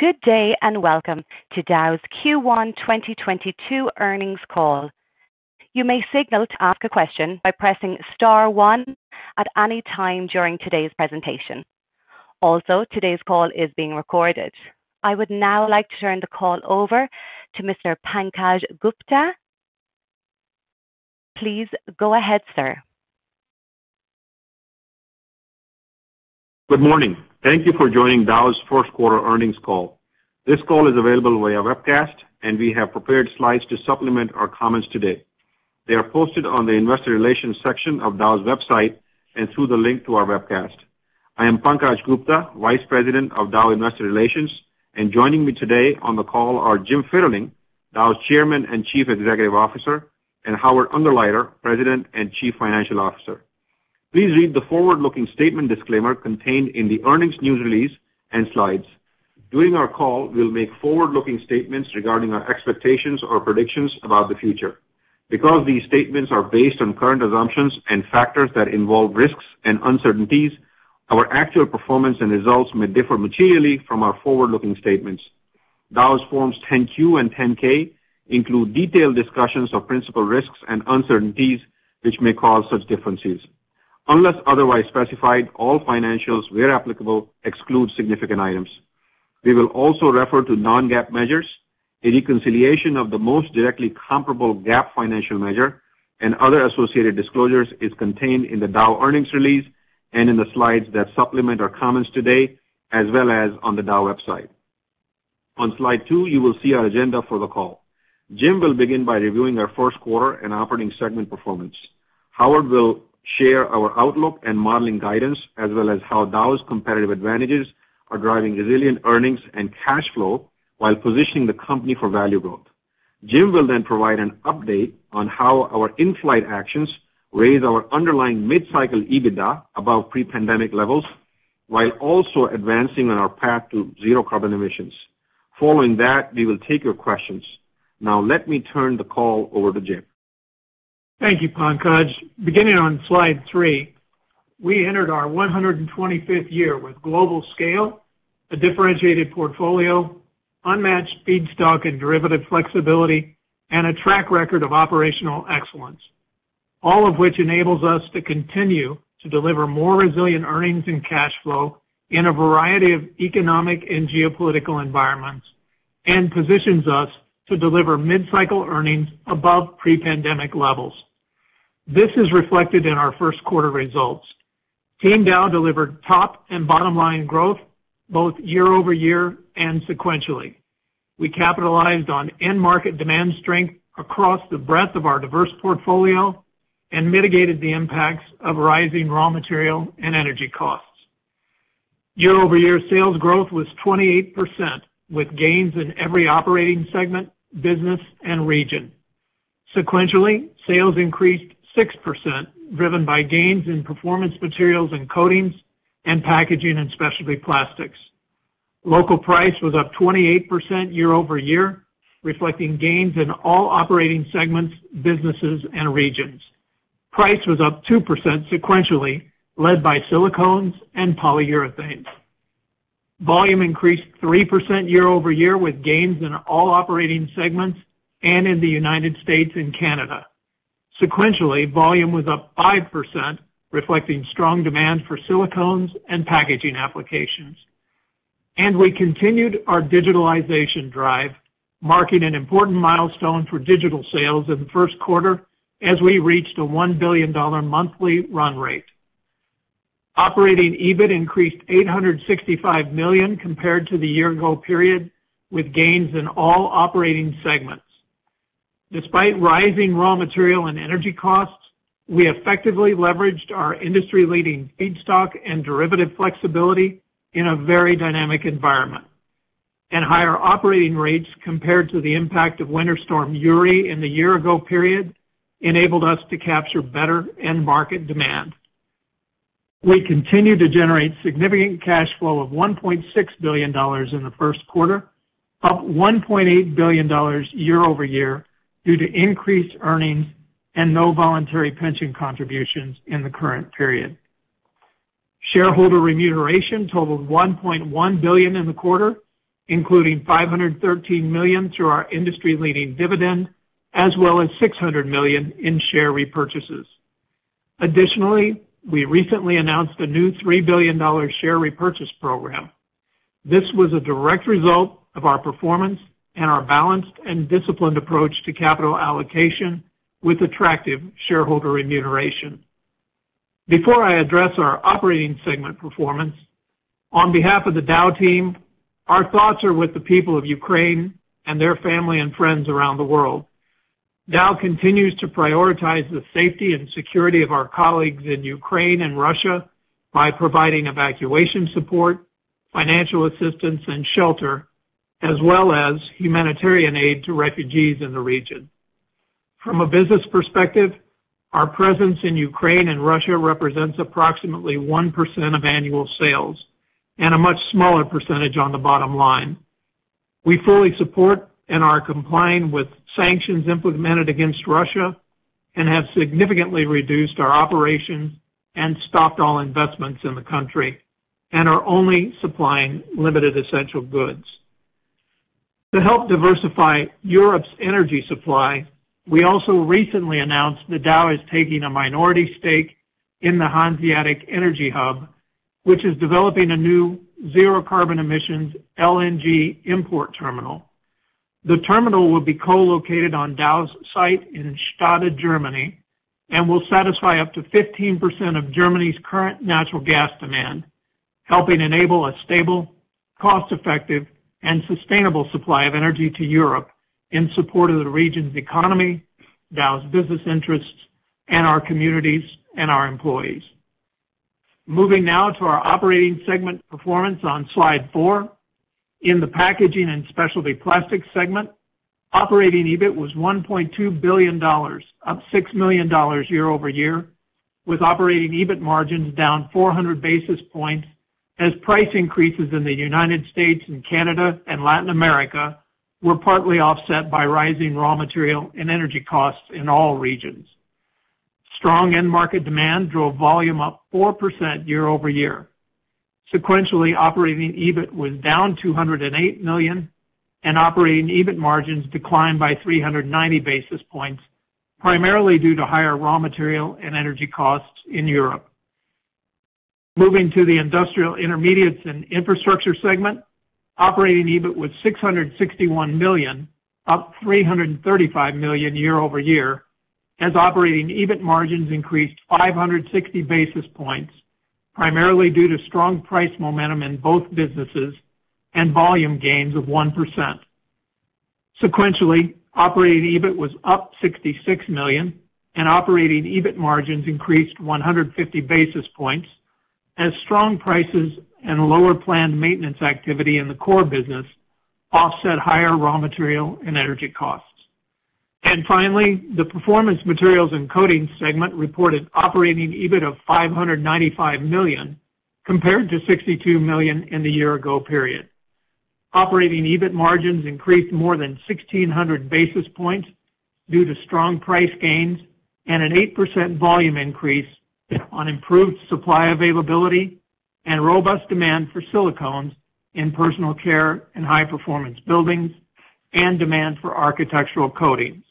Good day, and welcome to Dow's Q1 2022 earnings call. You may signal to ask a question by pressing star one at any time during today's presentation. Also, today's call is being recorded. I would now like to turn the call over to Mr. Pankaj Gupta. Please go ahead, sir. Good morning. Thank you for joining Dow's Q1 earnings call. This call is available via webcast, and we have prepared slides to supplement our comments today. They are posted on the investor relations section of Dow's website and through the link to our webcast. I am Pankaj Gupta, Vice President of Dow Investor Relations. Joining me today on the call are Jim Fitterling, Dow's Chairman and Chief Executive Officer, and Howard Ungerleider, President and Chief Financial Officer. Please read the forward-looking statement disclaimer contained in the earnings news release and slides. During our call, we'll make forward-looking statements regarding our expectations or predictions about the future. Because these statements are based on current assumptions and factors that involve risks and uncertainties, our actual performance and results may differ materially from our forward-looking statements. Dow's Form 10-Q and Form 10-K include detailed discussions of principal risks and uncertainties, which may cause such differences. Unless otherwise specified, all financials, where applicable, exclude significant items. We will also refer to non-GAAP measures. A reconciliation of the most directly comparable GAAP financial measure and other associated disclosures is contained in the Dow earnings release and in the slides that supplement our comments today, as well as on the Dow website. On slide two, you will see our agenda for the call. Jim will begin by reviewing our Q1 and operating segment performance. Howard will share our outlook and modeling guidance, as well as how Dow's competitive advantages are driving resilient earnings and cash flow while positioning the company for value growth. Jim will then provide an update on how our in-flight actions raise our underlying mid-cycle EBITDA above pre-pandemic levels, while also advancing on our path to zero carbon emissions. Following that, we will take your questions. Now let me turn the call over to Jim. Thank you, Pankaj. Beginning on slide three, we entered our 125th year with global scale, a differentiated portfolio, unmatched feedstock and derivative flexibility, and a track record of operational excellence, all of which enables us to continue to deliver more resilient earnings and cash flow in a variety of economic and geopolitical environments and positions us to deliver mid-cycle earnings above pre-pandemic levels. This is reflected in our Q1 results. Team Dow delivered top and bottom-line growth both year-over-year and sequentially. We capitalized on end market demand strength across the breadth of our diverse portfolio and mitigated the impacts of rising raw material and energy costs. Year-over-year sales growth was 28%, with gains in every operating segment, business and region. Sequentially, sales increased 6%, driven by gains in Performance Materials & Coatings and Packaging & Specialty Plastics. Local price was up 28% year-over-year, reflecting gains in all operating segments, businesses and regions. Price was up 2% sequentially, led by silicones and polyurethanes. Volume increased 3% year-over-year with gains in all operating segments and in the United States and Canada. Sequentially, volume was up 5%, reflecting strong demand for silicones and packaging applications. We continued our digitalization drive, marking an important milestone for digital sales in the Q1 as we reached a $1 billion monthly run rate. Operating EBIT increased $865 million compared to the year-ago period, with gains in all operating segments. Despite rising raw material and energy costs, we effectively leveraged our industry-leading feedstock and derivative flexibility in a very dynamic environment. Higher operating rates compared to the impact of Winter Storm Uri in the year ago period enabled us to capture better end market demand. We continued to generate significant cash flow of $1.6 billion in the Q1, up $1.8 billion year-over-year due to increased earnings and no voluntary pension contributions in the current period. Shareholder remuneration totaled $1.1 billion in the quarter, including $513 million through our industry-leading dividend as well as $600 million in share repurchases. Additionally, we recently announced a new $3 billion share repurchase program. This was a direct result of our performance and our balanced and disciplined approach to capital allocation with attractive shareholder remuneration. Before I address our operating segment performance, on behalf of the Dow team, our thoughts are with the people of Ukraine and their family and friends around the world. Dow continues to prioritize the safety and security of our colleagues in Ukraine and Russia by providing evacuation support, financial assistance and shelter, as well as humanitarian aid to refugees in the region. From a business perspective, our presence in Ukraine and Russia represents approximately 1% of annual sales and a much smaller percentage on the bottom line. We fully support and are complying with sanctions implemented against Russia. We have significantly reduced our operations and stopped all investments in the country and are only supplying limited essential goods. To help diversify Europe's energy supply, we also recently announced that Dow is taking a minority stake in the Hanseatic Energy Hub, which is developing a new zero carbon emissions LNG import terminal. The terminal will be co-located on Dow's site in Stade, Germany, and will satisfy up to 15% of Germany's current natural gas demand, helping enable a stable, cost-effective, and sustainable supply of energy to Europe in support of the region's economy, Dow's business interests, and our communities and our employees. Moving now to our operating segment performance on slide four. In the Packaging & Specialty Plastics segment, operating EBIT was $1.2 billion, up $6 million year-over-year, with operating EBIT margins down 400 basis points as price increases in the United States and Canada and Latin America were partly offset by rising raw material and energy costs in all regions. Strong end market demand drove volume up 4% year-over-year. Sequentially, Operating EBIT was down $208 million, and Operating EBIT margins declined by 390 basis points, primarily due to higher raw material and energy costs in Europe. Moving to the Industrial Intermediates & Infrastructure segment, Operating EBIT was $661 million, up $335 million year-over-year, as Operating EBIT margins increased 560 basis points, primarily due to strong price momentum in both businesses and volume gains of 1%. Sequentially, Operating EBIT was up $66 million and Operating EBIT margins increased 150 basis points as strong prices and lower planned maintenance activity in the core business offset higher raw material and energy costs. Finally, the Performance Materials & Coatings segment reported operating EBIT of $595 million, compared to $62 million in the year ago period. Operating EBIT margins increased more than 1,600 basis points due to strong price gains and an 8% volume increase on improved supply availability and robust demand for silicones in personal care and high-performance buildings and demand for architectural coatings.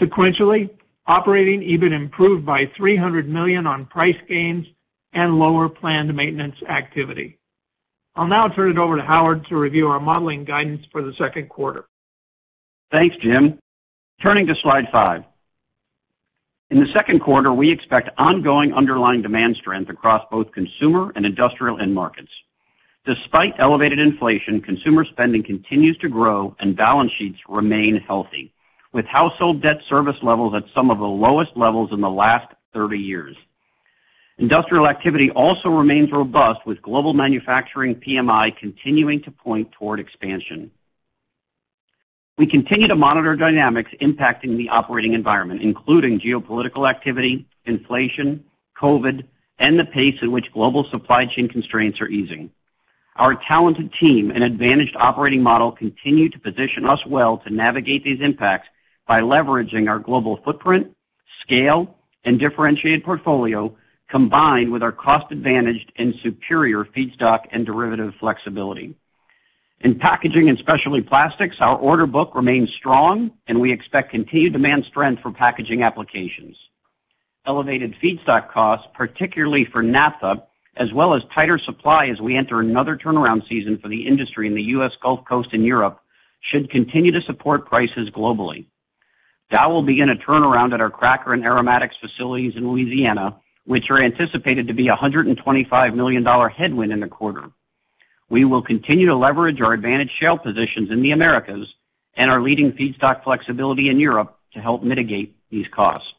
Sequentially, operating EBIT improved by $300 million on price gains and lower planned maintenance activity. I'll now turn it over to Howard to review our modeling guidance for the Q2. Thanks, Jim. Turning to slide five. In the Q2, we expect ongoing underlying demand strength across both consumer and industrial end markets. Despite elevated inflation, consumer spending continues to grow and balance sheets remain healthy, with household debt service levels at some of the lowest levels in the last 30 years. Industrial activity also remains robust, with global manufacturing PMI continuing to point toward expansion. We continue to monitor dynamics impacting the operating environment, including geopolitical activity, inflation, COVID, and the pace at which global supply chain constraints are easing. Our talented team and advantaged operating model continue to position us well to navigate these impacts by leveraging our global footprint, scale, and differentiated portfolio, combined with our cost advantage and superior feedstock and derivative flexibility. In Packaging & Specialty Plastics, our order book remains strong, and we expect continued demand strength for packaging applications. Elevated feedstock costs, particularly for naphtha, as well as tighter supply as we enter another turnaround season for the industry in the U.S. Gulf Coast and Europe, should continue to support prices globally. Dow will begin a turnaround at our cracker and aromatics facilities in Louisiana, which are anticipated to be a $125 million headwind in the quarter. We will continue to leverage our advantaged shale positions in the Americas and our leading feedstock flexibility in Europe to help mitigate these costs.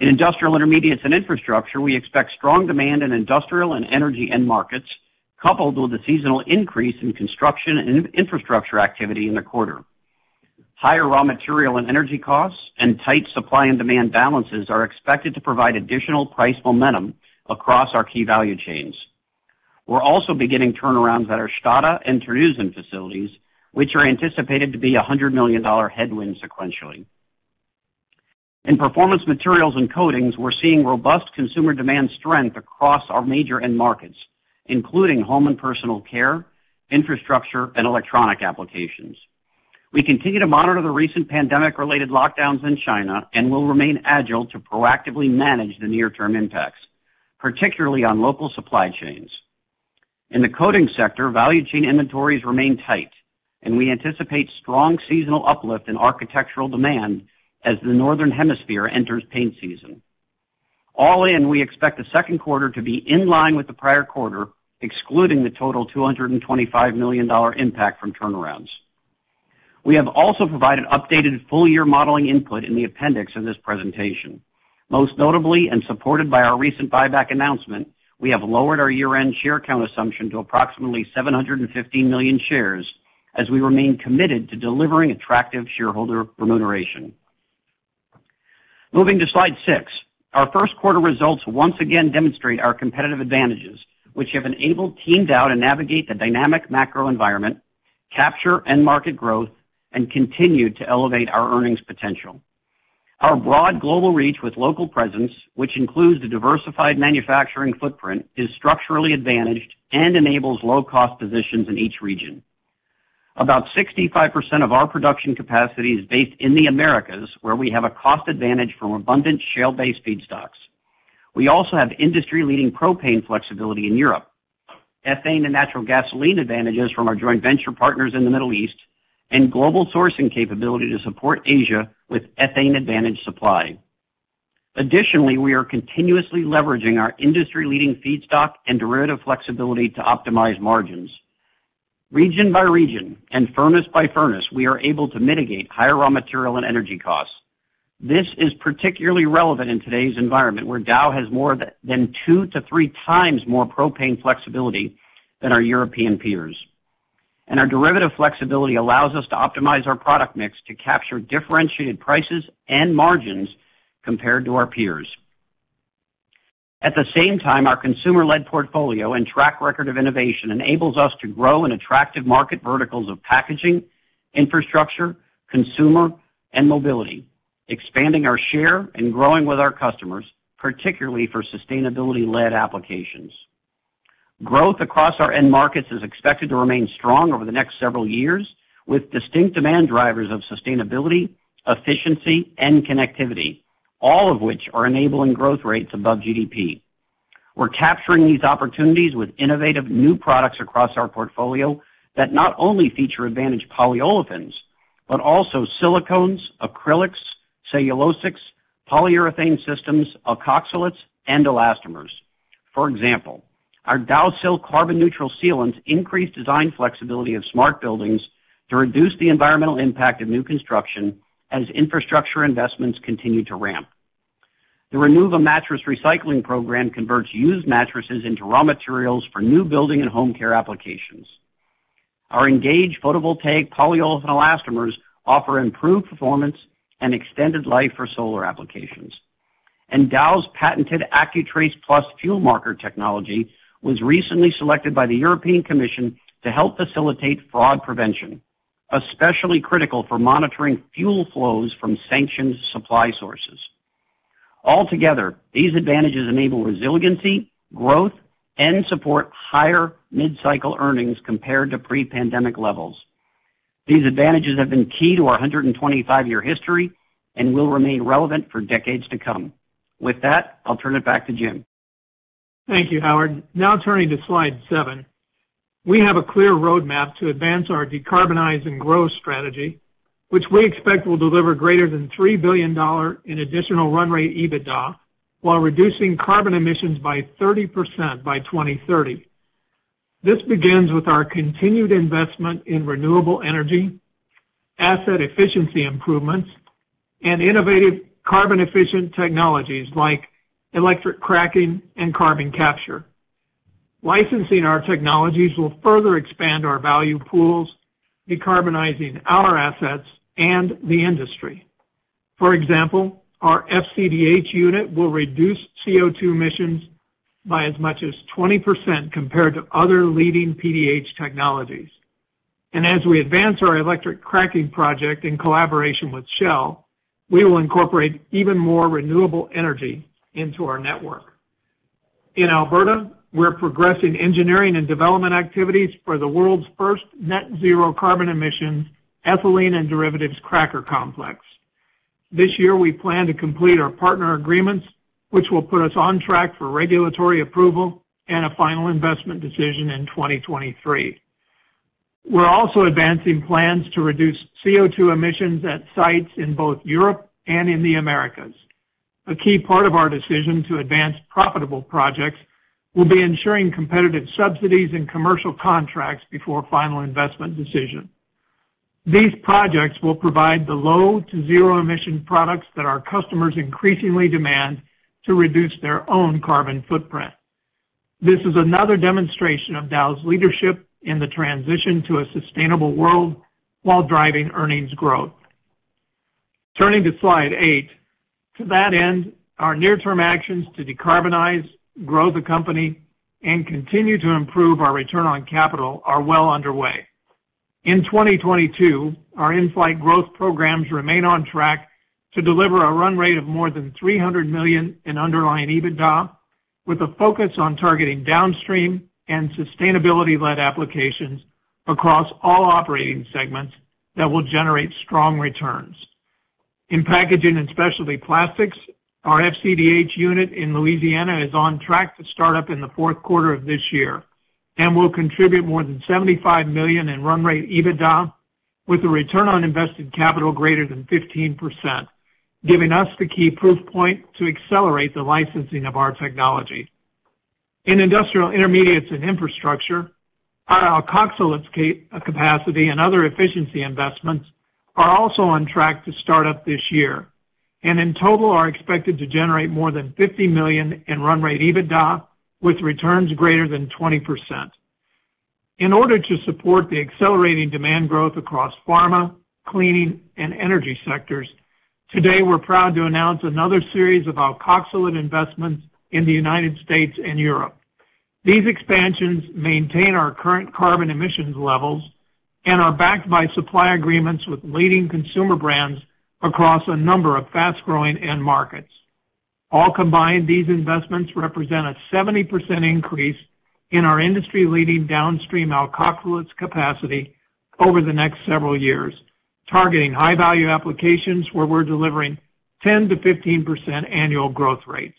In Industrial Intermediates & Infrastructure, we expect strong demand in industrial and energy end markets, coupled with a seasonal increase in construction and infrastructure activity in the quarter. Higher raw material and energy costs and tight supply and demand balances are expected to provide additional price momentum across our key value chains. We're also beginning turnarounds at our Stade and Terneuzen facilities, which are anticipated to be a $100 million headwind sequentially. In Performance Materials & Coatings, we're seeing robust consumer demand strength across our major end markets, including home and personal care, infrastructure, and electronic applications. We continue to monitor the recent pandemic-related lockdowns in China and will remain agile to proactively manage the near term impacts, particularly on local supply chains. In the coatings sector, value chain inventories remain tight, and we anticipate strong seasonal uplift in architectural demand as the Northern Hemisphere enters paint season. All in, we expect the Q2 to be in line with the prior quarter, excluding the total $225 million impact from turnarounds. We have also provided updated full year modeling input in the appendix of this presentation. Most notably, and supported by our recent buyback announcement, we have lowered our year-end share count assumption to approximately 750 million shares as we remain committed to delivering attractive shareholder remuneration. Moving to slide six Our Q1 results once again demonstrate our competitive advantages, which have enabled Team Dow to navigate the dynamic macro environment, capture end market growth, and continue to elevate our earnings potential. Our broad global reach with local presence, which includes the diversified manufacturing footprint, is structurally advantaged and enables low-cost positions in each region. About 65% of our production capacity is based in the Americas, where we have a cost advantage from abundant shale-based feedstocks. We also have industry-leading propane flexibility in Europe, ethane and natural gasoline advantages from our joint venture partners in the Middle East, and global sourcing capability to support Asia with ethane advantage supply. Additionally, we are continuously leveraging our industry leading feedstock and derivative flexibility to optimize margins. Region by region and furnace by furnace, we are able to mitigate higher raw material and energy costs. This is particularly relevant in today's environment, where Dow has more than two to three times more propane flexibility than our European peers. Our derivative flexibility allows us to optimize our product mix to capture differentiated prices and margins compared to our peers. At the same time, our consumer-led portfolio and track record of innovation enables us to grow in attractive market verticals of packaging, infrastructure, consumer, and mobility, expanding our share and growing with our customers, particularly for sustainability-led applications. Growth across our end markets is expected to remain strong over the next several years, with distinct demand drivers of sustainability, efficiency, and connectivity, all of which are enabling growth rates above GDP. We're capturing these opportunities with innovative new products across our portfolio that not only feature advanced polyolefins, but also silicones, acrylics, cellulosics, polyurethane systems, alkoxylates, and elastomers. For example, our DOWSIL carbon neutral sealants increase design flexibility of smart buildings to reduce the environmental impact of new construction as infrastructure investments continue to ramp. The RENUVA Mattress Recycling Program converts used mattresses into raw materials for new building and home care applications. Our ENGAGE photovoltaic polyolefin elastomers offer improved performance and extended life for solar applications. Dow's patented ACCUTRACE Plus fuel marker technology was recently selected by the European Commission to help facilitate fraud prevention, especially critical for monitoring fuel flows from sanctioned supply sources. Altogether, these advantages enable resiliency, growth, and support higher mid-cycle earnings compared to pre-pandemic levels. These advantages have been key to our 125-year history and will remain relevant for decades to come. With that, I'll turn it back to Jim. Thank you, Howard. Now turning to slide seven. We have a clear roadmap to advance our decarbonization and growth strategy, which we expect will deliver greater than $3 billion in additional run rate EBITDA, while reducing carbon emissions by 30% by 2030. This begins with our continued investment in renewable energy, asset efficiency improvements, and innovative carbon efficient technologies like electric cracking and carbon capture. Licensing our technologies will further expand our value pools, decarbonizing our assets and the industry. For example, our FCDH unit will reduce CO2 emissions by as much as 20% compared to other leading PDH technologies. As we advance our electric cracking project in collaboration with Shell, we will incorporate even more renewable energy into our network. In Alberta, we're progressing engineering and development activities for the world's first net zero carbon emissions ethylene and derivatives cracker complex. This year, we plan to complete our partner agreements, which will put us on track for regulatory approval and a final investment decision in 2023. We're also advancing plans to reduce CO2 emissions at sites in both Europe and in the Americas. A key part of our decision to advance profitable projects will be ensuring competitive subsidies and commercial contracts before final investment decision. These projects will provide the low to zero emission products that our customers increasingly demand to reduce their own carbon footprint. This is another demonstration of Dow's leadership in the transition to a sustainable world while driving earnings growth. Turning to slide eight. To that end, our near-term actions to decarbonize, grow the company, and continue to improve our return on capital are well underway. In 2022, our in-flight growth programs remain on track to deliver a run rate of more than $300 million in underlying EBITDA, with a focus on targeting downstream and sustainability-led applications across all operating segments that will generate strong returns. In Packaging & Specialty Plastics, our FCDH unit in Louisiana is on track to start up in the Q4 of this year and will contribute more than $75 million in run rate EBITDA with a return on invested capital greater than 15%, giving us the key proof point to accelerate the licensing of our technology. In Industrial Intermediates & Infrastructure, our alkoxylates capacity and other efficiency investments are also on track to start up this year, and in total, are expected to generate more than $50 million in run rate EBITDA with returns greater than 20%. In order to support the accelerating demand growth across pharma, cleaning, and energy sectors. Today, we're proud to announce another series of alkoxylates investments in the United States and Europe. These expansions maintain our current carbon emissions levels and are backed by supply agreements with leading consumer brands across a number of fast-growing end markets. All combined, these investments represent a 70% increase in our industry-leading downstream alkoxylates capacity over the next several years, targeting high-value applications where we're delivering 10%-15% annual growth rates.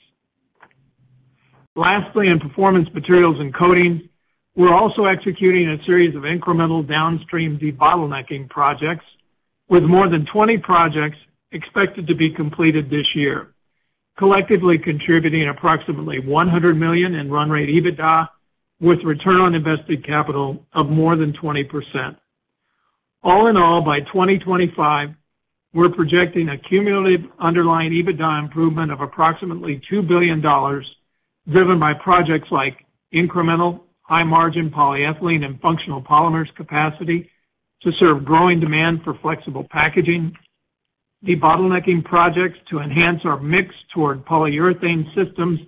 Lastly, in Performance Materials & Coatings, we're also executing a series of incremental downstream debottlenecking projects, with more than 20 projects expected to be completed this year, collectively contributing approximately $100 million in run rate EBITDA, with return on invested capital of more than 20%. All in all, by 2025, we're projecting a cumulative underlying EBITDA improvement of approximately $2 billion, driven by projects like incremental high-margin polyethylene and functional polymers capacity to serve growing demand for flexible packaging, debottlenecking projects to enhance our mix toward polyurethane systems,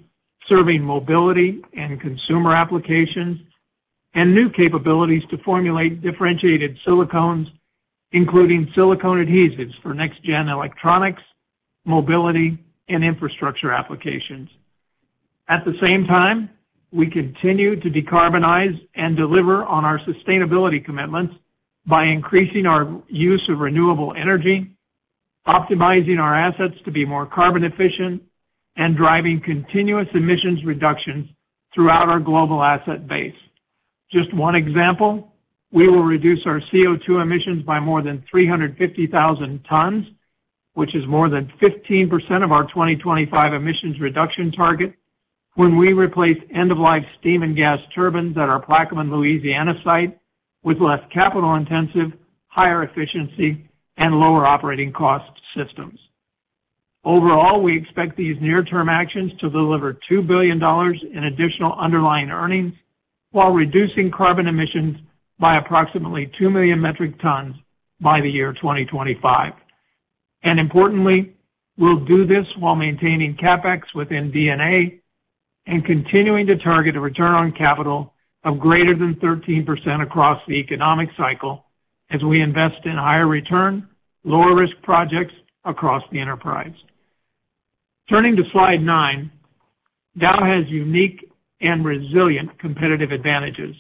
serving mobility and consumer applications, and new capabilities to formulate differentiated silicones, including silicone adhesives for next-gen electronics, mobility, and infrastructure applications. At the same time, we continue to decarbonize and deliver on our sustainability commitments by increasing our use of renewable energy, optimizing our assets to be more carbon efficient, and driving continuous emissions reductions throughout our global asset base. Just one example, we will reduce our CO₂ emissions by more than 350,000 tons, which is more than 15% of our 2025 emissions reduction target, when we replace end-of-life steam and gas turbines at our Plaquemine, Louisiana site with less capital-intensive, higher efficiency, and lower operating cost systems. Overall, we expect these near-term actions to deliver $2 billion in additional underlying earnings while reducing carbon emissions by approximately 2 million metric tons by the year 2025. Importantly, we'll do this while maintaining CapEx within D&A and continuing to target a return on capital of greater than 13% across the economic cycle as we invest in higher return, lower risk projects across the enterprise. Turning to slide nine, Dow has unique and resilient competitive advantages.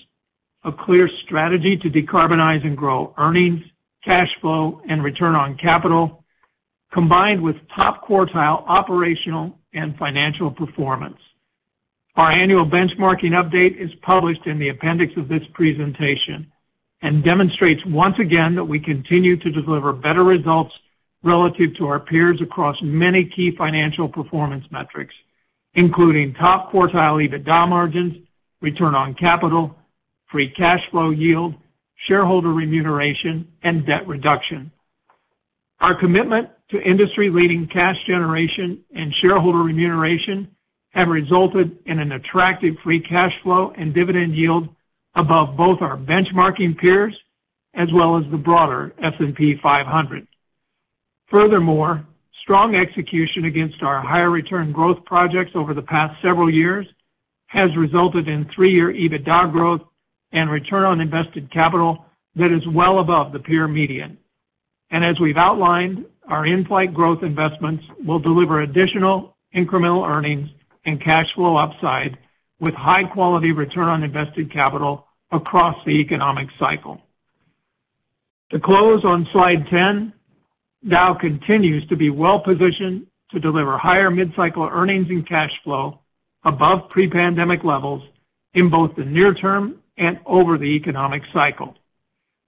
A clear strategy to decarbonize and grow earnings, cash flow, and return on capital, combined with top-quartile operational and financial performance. Our annual benchmarking update is published in the appendix of this presentation and demonstrates once again that we continue to deliver better results relative to our peers across many key financial performance metrics, including top-quartile EBITDA margins, return on capital, free cash flow yield, shareholder remuneration, and debt reduction. Our commitment to industry-leading cash generation and shareholder remuneration have resulted in an attractive free cash flow and dividend yield above both our benchmarking peers as well as the broader S&P 500. Furthermore, strong execution against our higher return growth projects over the past several years has resulted in three-year EBITDA growth and return on invested capital that is well above the peer median. As we've outlined, our in-flight growth investments will deliver additional incremental earnings and cash flow upside with high-quality return on invested capital across the economic cycle. To close on slide 10, Dow continues to be well-positioned to deliver higher mid-cycle earnings and cash flow above pre-pandemic levels in both the near term and over the economic cycle.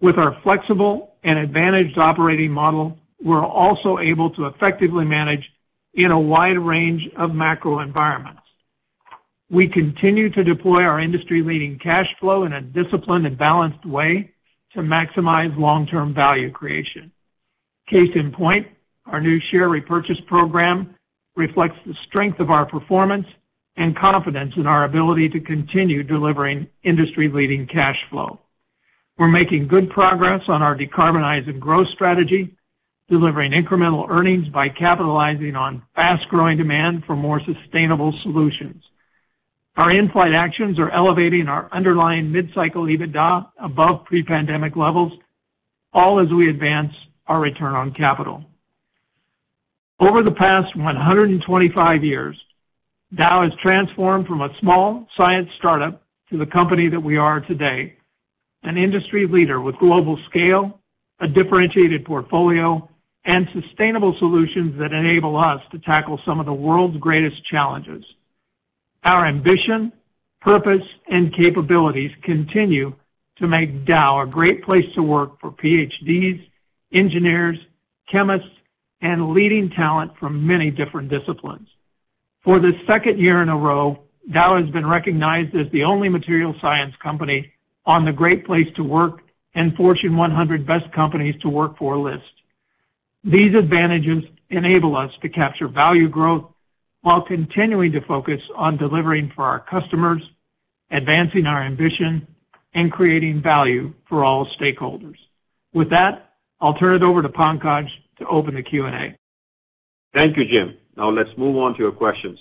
With our flexible and advantaged operating model, we're also able to effectively manage in a wide range of macro environments. We continue to deploy our industry-leading cash flow in a disciplined and balanced way to maximize long-term value creation. Case in point, our new share repurchase program reflects the strength of our performance and confidence in our ability to continue delivering industry-leading cash flow. We're making good progress on our decarbonization and growth strategy, delivering incremental earnings by capitalizing on fast-growing demand for more sustainable solutions. Our in-flight actions are elevating our underlying mid-cycle EBITDA above pre-pandemic levels, all as we advance our return on capital. Over the past 125 years, Dow has transformed from a small science startup to the company that we are today, an industry leader with global scale, a differentiated portfolio, and sustainable solutions that enable us to tackle some of the world's greatest challenges. Our ambition, purpose, and capabilities continue to make Dow a great place to work for PhDs, engineers, chemists, and leading talent from many different disciplines. For the second year in a row, Dow has been recognized as the only materials science company on the Great Place to Work and Fortune 100 Best Companies to Work For list. These advantages enable us to capture value growth while continuing to focus on delivering for our customers. Advancing our ambition and creating value for all stakeholders. With that, I'll turn it over to Pankaj to open the Q&A. Thank you, Jim. Now let's move on to your questions.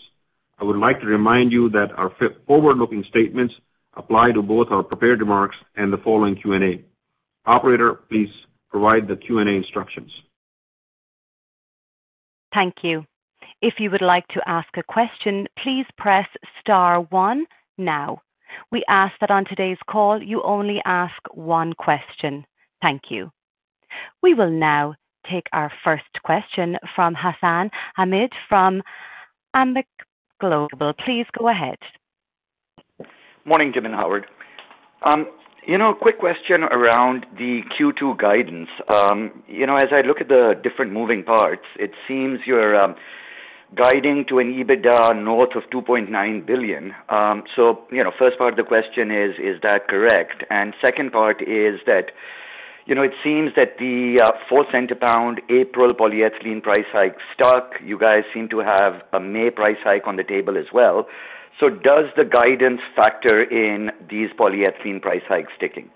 I would like to remind you that our forward-looking statements apply to both our prepared remarks and the following Q&A. Operator, please provide the Q&A instructions. Thank you. If you would like to ask a question, please press star one now. We ask that on today's call, you only ask one question. Thank you. We will now take our first question from Hassan Ahmed from Alembic Global Advisors. Please go ahead. Morning, Jim and Howard. You know, a quick question around the Q2 guidance. You know, as I look at the different moving parts, it seems you're guiding to an EBITDA north of $2.9 billion. You know, first part of the question is that correct? Second part is that, you know, it seems that the 4 cents a pound April polyethylene price hike stuck. You guys seem to have a May price hike on the table as well. Does the guidance factor in these polyethylene price hikes sticking?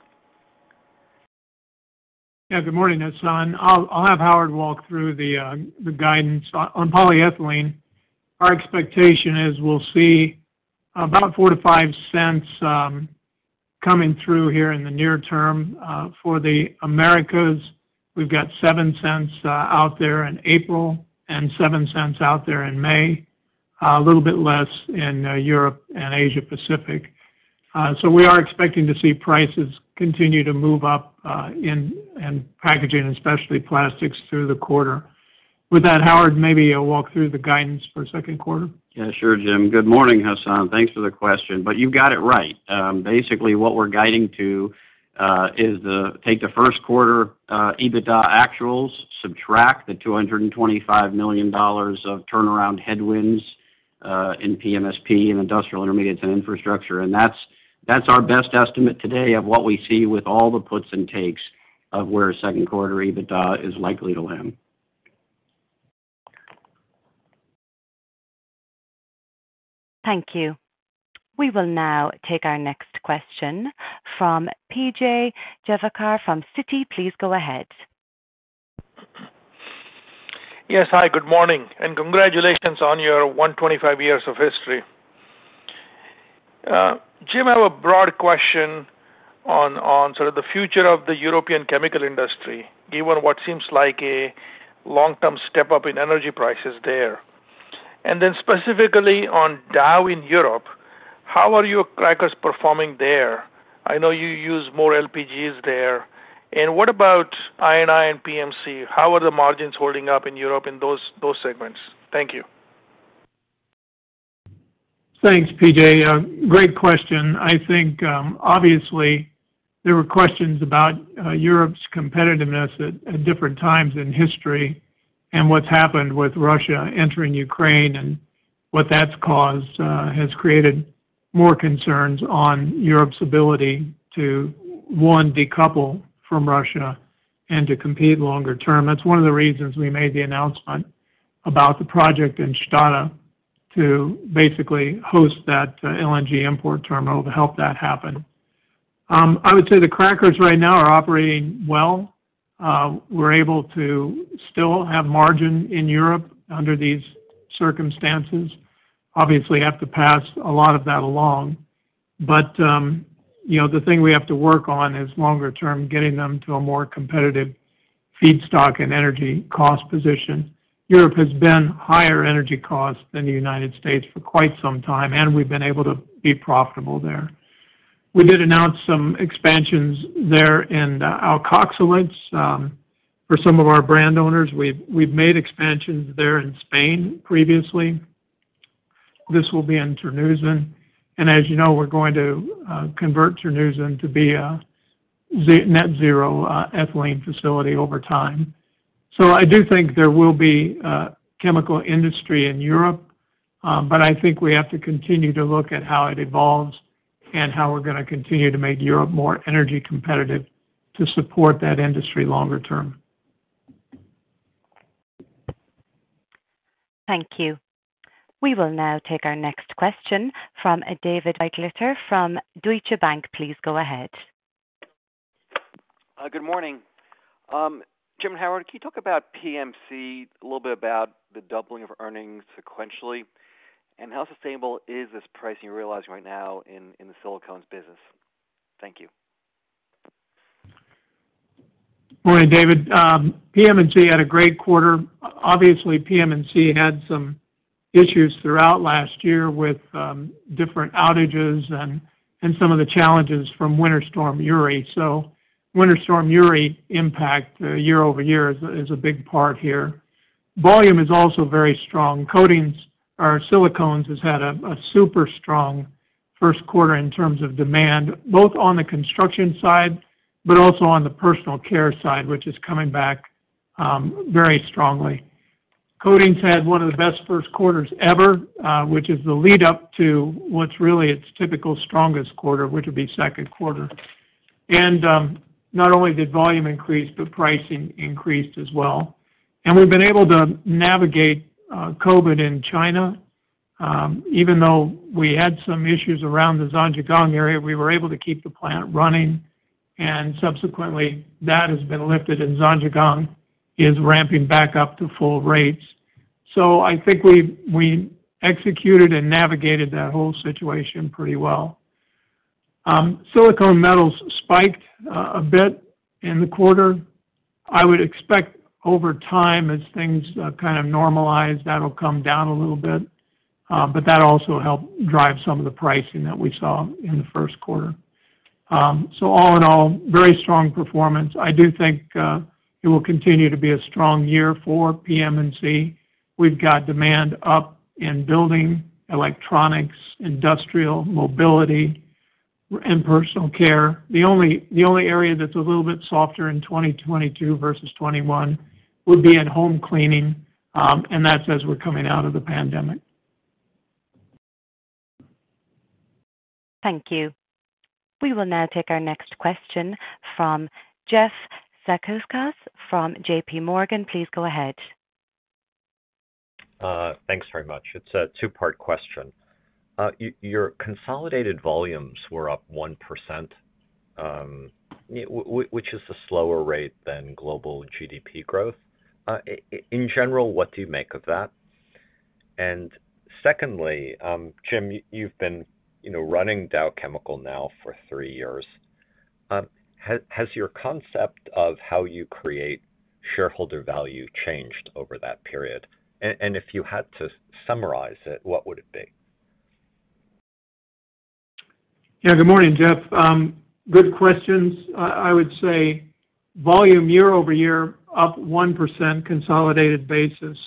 Yeah, good morning, Hassan. I'll have Howard walk through the guidance. On polyethylene, our expectation is we'll see about $0.04-$0.05 coming through here in the near term. For the Americas, we've got $0.07 out there in April and $0.07 out there in May, a little bit less in Europe and Asia Pacific. So we are expecting to see prices continue to move up in packaging and especially plastics through the quarter. With that, Howard, maybe you'll walk through the guidance for Q2. Yeah, sure, Jim. Good morning, Hassan. Thanks for the question. You got it right. Basically, what we're guiding to is to take the Q1 EBITDA actuals, subtract the $225 million of turnaround headwinds in P&SP, in Industrial Intermediates & Infrastructure. That's our best estimate today of what we see with all the puts and takes of where Q2 EBITDA is likely to land. Thank you. We will now take our next question from P.J. Juvekar from Citi. Please go ahead. Yes. Hi, good morning, and congratulations on your 125 years of history. Jim, I have a broad question on sort of the future of the European chemical industry, given what seems like a long-term step up in energy prices there. Then specifically on Dow in Europe, how are your crackers performing there? I know you use more LPGs there. What about I&I and PM&C? How are the margins holding up in Europe in those segments? Thank you. Thanks, P.J. A great question. I think, obviously, there were questions about Europe's competitiveness at different times in history and what's happened with Russia entering Ukraine and what that's caused has created more concerns on Europe's ability to, one, decouple from Russia and to compete longer term. That's one of the reasons we made the announcement about the project in Stade to basically host that LNG import terminal to help that happen. I would say the crackers right now are operating well. We're able to still have margin in Europe under these circumstances. Obviously, have to pass a lot of that along. You know, the thing we have to work on is longer term, getting them to a more competitive feedstock and energy cost position. Europe has been higher energy cost than the United States for quite some time, and we've been able to be profitable there. We did announce some expansions there in alkoxylates for some of our brand owners. We've made expansions there in Spain previously. This will be in Terneuzen. As you know, we're going to convert Terneuzen to be a net zero ethylene facility over time. I do think there will be a chemical industry in Europe, but I think we have to continue to look at how it evolves and how we're going to continue to make Europe more energy competitive to support that industry longer term. Thank you. We will now take our next question from David Begleiter from Deutsche Bank. Please go ahead. Good morning. Jim and Howard, can you talk about PM&C, a little bit about the doubling of earnings sequentially, and how sustainable is this pricing you're realizing right now in the silicones business? Thank you. Morning, David. PM&C had a great quarter. Obviously, PM&C had some issues throughout last year with different outages and some of the challenges from Winter Storm Uri. Winter Storm Uri impact year-over-year is a big part here. Volume is also very strong. Coatings or silicones has had a super strong Q1 in terms of demand, both on the construction side, but also on the personal care side, which is coming back very strongly. Coatings had one of the best Q1 ever, which is the lead up to what's really its typical strongest quarter, which would be Q2. Not only did volume increase, but pricing increased as well. We've been able to navigate COVID in China. Even though we had some issues around the Zhanjiang area, we were able to keep the plant running, and subsequently, that has been lifted, and Zhanjiang is ramping back up to full rates. I think we executed and navigated that whole situation pretty well. Silicon metal spiked a bit in the quarter. I would expect over time as things kind of normalize, that'll come down a little bit, but that also helped drive some of the pricing that we saw in the Q1. All in all, very strong performance. I do think it will continue to be a strong year for PM&C. We've got demand up in building, electronics, industrial, mobility, and personal care. The only area that's a little bit softer in 2022 versus 2021 would be in home cleaning, and that's as we're coming out of the pandemic. Thank you. We will now take our next question from Jeff Zekauskas from J.P. Morgan. Please go ahead. Thanks very much. It's a two-part question. Your consolidated volumes were up 1%, which is a slower rate than global GDP growth. In general, what do you make of that? And secondly, Jim, you've been, you know, running Dow now for three years. Has your concept of how you create shareholder value changed over that period? And if you had to summarize it, what would it be? Yeah, good morning, Jeff. Good questions. I would say volume year-over-year up 1% consolidated basis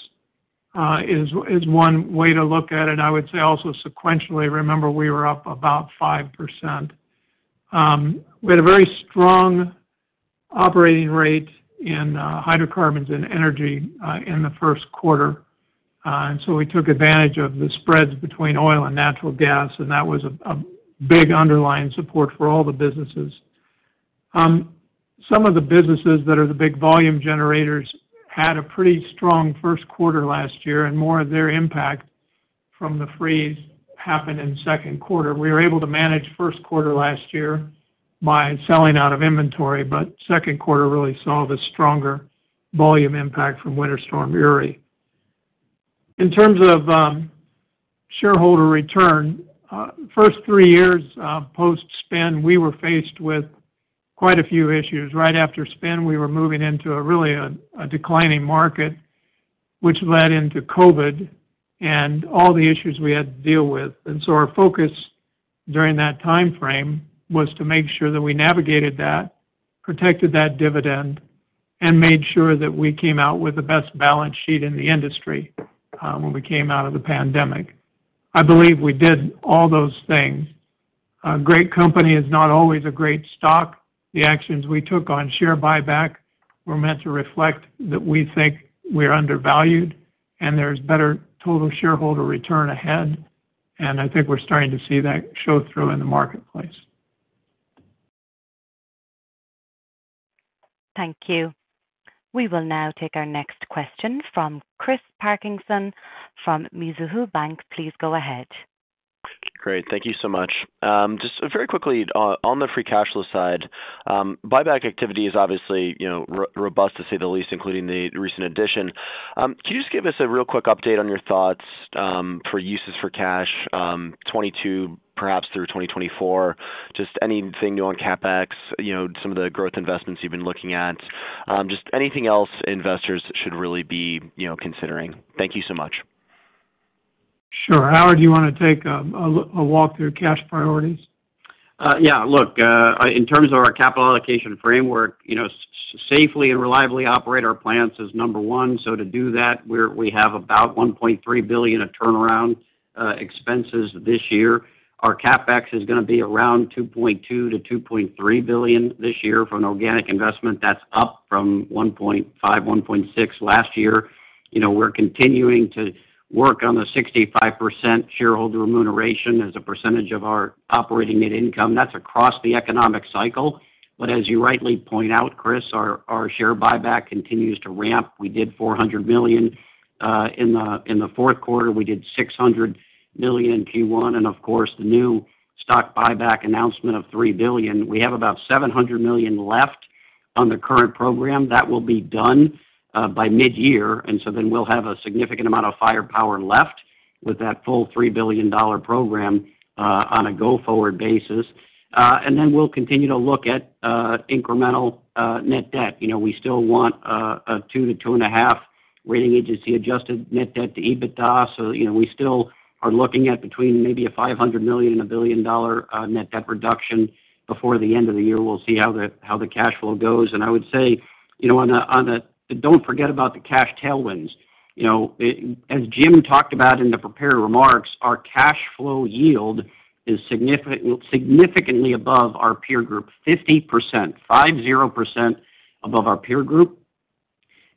is one way to look at it. I would say also sequentially, remember, we were up about 5%. We had a very strong operating rate in hydrocarbons and energy in the Q1. And so, we took advantage of the spreads between oil and natural gas, and that was a big underlying support for all the businesses. Some of the businesses that are the big volume generators had a pretty strong Q1 last year and more of their impact from the freeze happened in Q2. We were able to manage Q1 last year by selling out of inventory, but Q2 really saw the stronger volume impact from Winter Storm Uri. In terms of shareholder return, first three years of post-spin, we were faced with quite a few issues. Right after spin, we were moving into a really declining market, which led into COVID and all the issues we had to deal with. Our focus during that time frame was to make sure that we navigated that, protected that dividend, and made sure that we came out with the best balance sheet in the industry, when we came out of the pandemic. I believe we did all those things. A great company is not always a great stock. The actions we took on share buyback were meant to reflect that we think we're undervalued and there's better total shareholder return ahead. I think we're starting to see that show through in the marketplace. Thank you. We will now take our next question from Chris Parkinson from Mizuho Americas. Please go ahead. Great. Thank you so much. Just very quickly, on the free cash flow side, buyback activity is obviously, you know, robust to say the least, including the recent addition. Can you just give us a real quick update on your thoughts, for uses for cash, 2022, perhaps through 2024? Just anything new on CapEx, you know, some of the growth investments you've been looking at. Just anything else investors should really be, you know, considering. Thank you so much. Sure. Howard, do you want to take a walk-through cash priorities? Look, in terms of our capital allocation framework, you know, safely and reliably operate our plants is number one. To do that, we have about $1.3 billion of turnaround expenses this year. Our CapEx is going to be around $2.2-$2.3 billion this year for an organic investment. That's up from $1.5-$1.6 billion last year. You know, we're continuing to work on the 65% shareholder remuneration as a percentage of our operating net income. That's across the economic cycle. As you rightly point out, Chris, our share buyback continues to ramp. We did $400 million in the Q4. We did $600 million in Q1, and of course, the new stock buyback announcement of $3 billion. We have about $700 million left on the current program. That will be done by mid-year. We'll have a significant amount of firepower left with that full $3 billion program on a go-forward basis. We'll continue to look at incremental net debt. You know, we still want a 2-2.5 rating agency adjusted net debt to EBITDA. You know, we still are looking at between maybe $500 million and $1 billion net debt reduction before the end of the year. We'll see how the cash flow goes. You know, don't forget about the cash tailwinds. You know, it as Jim talked about in the prepared remarks, our cash flow yield is significantly above our peer group, 50% above our peer group.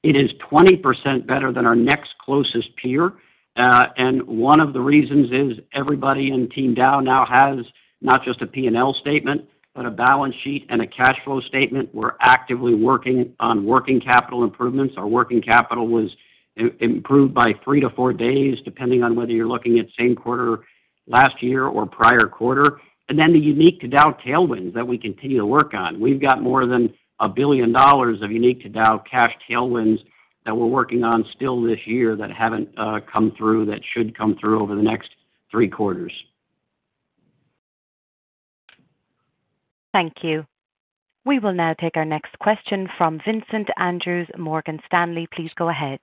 It is 20% better than our next closest peer. One of the reasons is everybody in team Dow now has not just a P&L statement, but a balance sheet and a cash flow statement. We're actively working on working capital improvements. Our working capital was improved by three to four days, depending on whether you're looking at same quarter last year or prior quarter. The unique to Dow tailwinds that we continue to work on. We've got more than $1 billion of unique to Dow cash tailwinds that we're working on still this year that haven't come through that should come through over the next three quarters. Thank you. We will now take our next question from Vincent Andrews, Morgan Stanley. Please go ahead.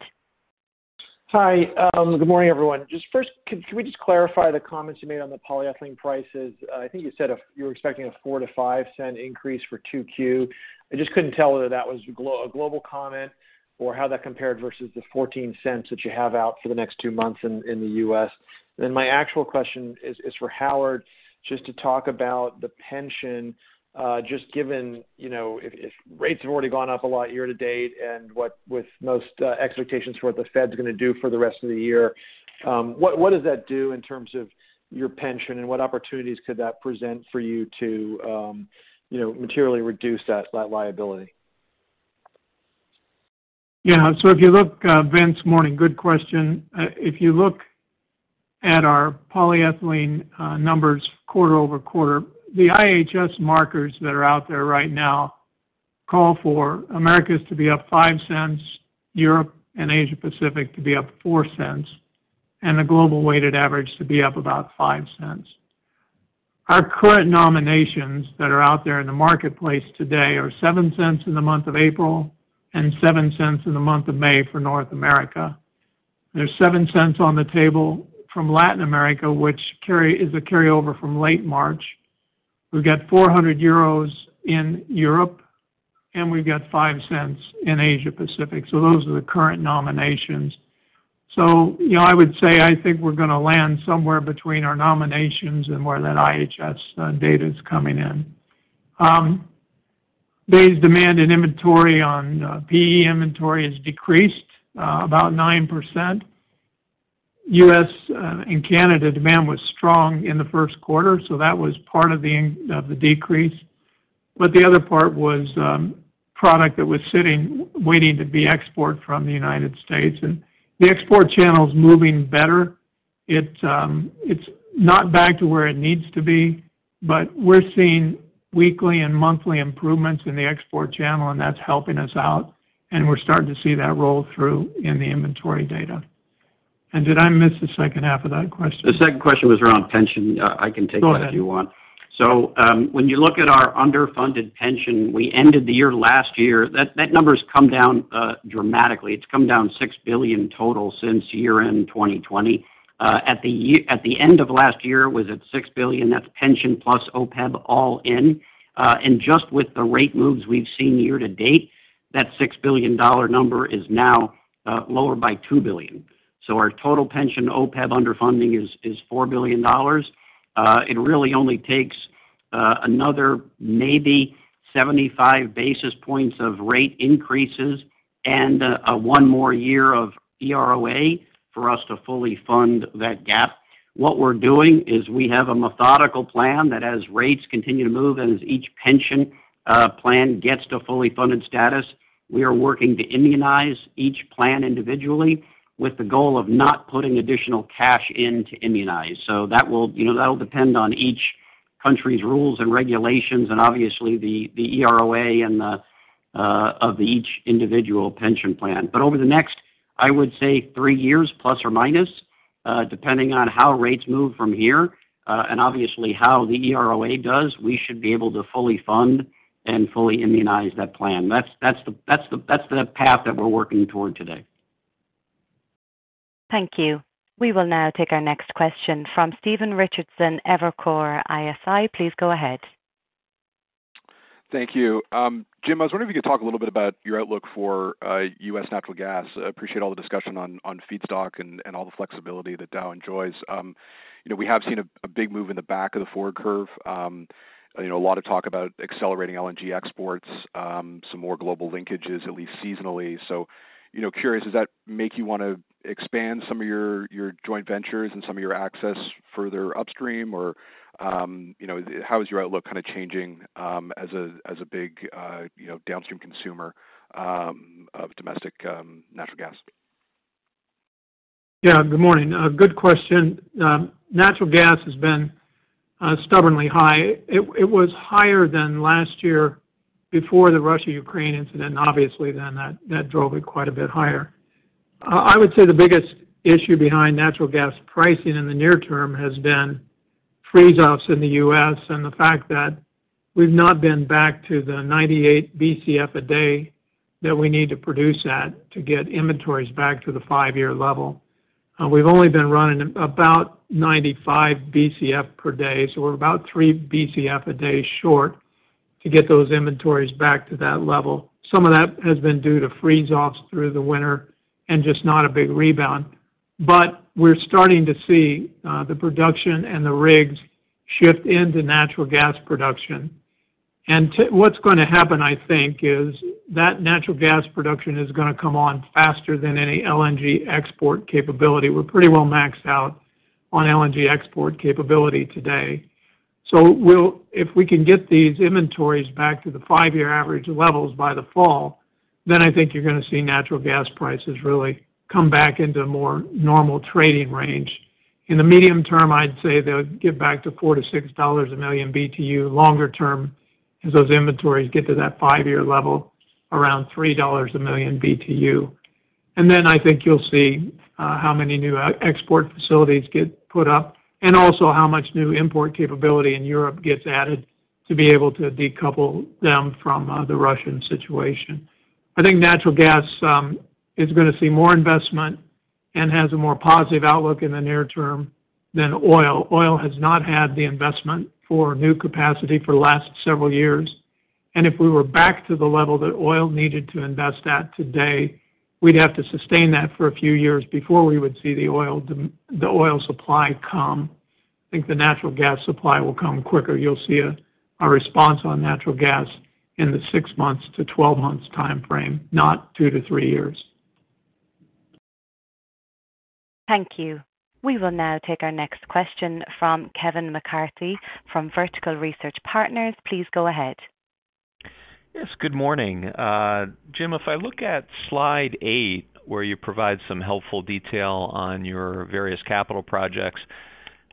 Hi. Good morning, everyone. Just first, can we just clarify the comments you made on the polyethylene prices? I think you said you're expecting a $0.04-$0.05 increase for 2Q. I just couldn't tell whether that was global comment or how that compared versus the $0.14 that you have out for the next two months in the U.S. Then my actual question is for Howard, just to talk about the pension, just given, you know, if rates have already gone up a lot year to date and what with most expectations for what the Fed is going to do for the rest of the year, what does that do in terms of your pension and what opportunities could that present for you to, you know, materially reduce that liability? Yeah. If you look, Vince, good morning, good question. If you look at our polyethylene numbers quarter-over-quarter, the IHS Markit markers that are out there right now call for Americas to be up $0.05, Europe and Asia Pacific to be up $0.04, and the global weighted average to be up about $0.05. Our current nominations that are out there in the marketplace today are $0.07 in the month of April and $0.07 in the month of May for North America. There's $0.07 on the table from Latin America, which is a carryover from late March. We've got 400 euros in Europe, and we've got $0.05 in Asia Pacific. Those are the current nominations. I would say, I think we're going to land somewhere between our nominations and where that IHS data is coming in. Days demand and inventory on PE inventory has decreased about 9%. U.S. and Canada demand was strong in the Q1, so that was part of the inventory decrease. The other part was product that was sitting, waiting to be exported from the United States. The export channel is moving better. It's not back to where it needs to be, but we're seeing weekly and monthly improvements in the export channel, and that's helping us out, and we're starting to see that roll through in the inventory data. Did I miss the H2 of that question? The second question was around pension. I can take that if you want. Go ahead. When you look at our underfunded pension, we ended the year last year. That number has come down dramatically. It's come down $6 billion total since year-end 2020. At the end of last year, it was at $6 billion. That's pension plus OPEB all in. Just with the rate moves we've seen year to date, that $6 billion number is now lower by $2 billion. Our total pension OPEB underfunding is four billion dollars. It really only takes another maybe 75 basis points of rate increases and one more year of EROA for us to fully fund that gap. What we're doing is we have a methodical plan that as rates continue to move and as each pension plan gets to fully funded status, we are working to immunize each plan individually with the goal of not putting additional cash in to immunize. So that will, you know, that'll depend on each country's rules and regulations and obviously the EROA and the of each individual pension plan. But over the next, I would say three years, plus or minus, depending on how rates move from here, and obviously how the EROA does, we should be able to fully fund and fully immunize that plan. That's the path that we're working toward today. Thank you. We will now take our next question from Stephen Richardson, Evercore ISI. Please go ahead. Thank you. Jim, I was wondering if you could talk a little bit about your outlook for U.S. natural gas. I appreciate all the discussion on feedstock and all the flexibility that Dow enjoys. You know, we have seen a big move in the back of the forward curve. You know, a lot of talk about accelerating LNG exports, some more global linkages, at least seasonally. So, you know, curious, does that make you want to expand some of your joint ventures and some of your access further upstream? Or, you know, how is your outlook kinda changing as a big downstream consumer of domestic natural gas? Yeah, good morning. Good question. Natural gas has been stubbornly high. It was higher than last year before the Russia-Ukraine incident, and obviously then that drove it quite a bit higher. I would say the biggest issue behind natural gas pricing in the near term has been freeze offs in the U.S. and the fact that we've not been back to the 98 BCF a day that we need to produce at to get inventories back to the five-year level. We've only been running about 95 BCF per day, so we're about 3 BCF a day short to get those inventories back to that level. Some of that has been due to freeze offs through the winter and just not a big rebound. We're starting to see the production and the rigs shift into natural gas production. What's going to happen, I think, is that natural gas production is going to come on faster than any LNG export capability. We're pretty well maxed out on LNG export capability today. If we can get these inventories back to the five-year average levels by the fall, then I think you're going to see natural gas prices really come back into a more normal trading range. In the medium term, I'd say they'll get back to $4-$6 per million BTU. Longer term, as those inventories get to that five-year level, around $3 per million BTU. I think you'll see how many new LNG export facilities get put up and also how much new import capability in Europe gets added to be able to decouple them from the Russian situation. I think natural gas is going to see more investment and has a more positive outlook in the near term than oil. Oil has not had the investment for new capacity for the last several years. If we were back to the level that oil needed to invest at today, we'd have to sustain that for a few years before we would see the oil supply come. I think the natural gas supply will come quicker. You'll see a response on natural gas in the 6 to 12 months timeframe, not 2 to 3 years. Thank you. We will now take our next question from Kevin McCarthy, from Vertical Research Partners. Please go ahead. Yes, good morning. Jim, if I look at slide eight, where you provide some helpful detail on your various capital projects,